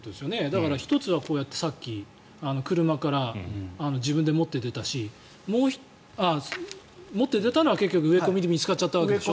だから１つはこうやってさっき車から自分で持って出たし持って出たのは結局、植え込みで見つかったんでしょ？